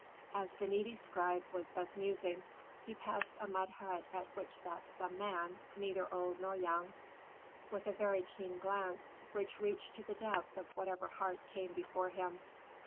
"As the needy scribe was thus musing, he passed a mud hut at which sat some man, neither old nor young, with a very keen glance, which reached to the depth of whatever heart came before him.